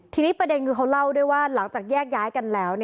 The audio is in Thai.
ทีนี้ประเด็นคือเขาเล่าด้วยว่าหลังจากแยกย้ายกันแล้ว